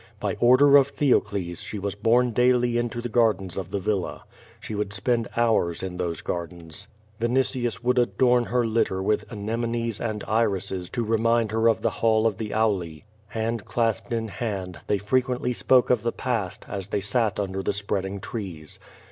By order of Theocles, she was bornp daily into the gardens of the villa. She would spend hours.in these gardens. Vinitius would adorn her litter with anemones and irises to remind her of the hall of the Auli. Hand clasped in hand, they frequently spoke of the past, as they sat under the spreading trees.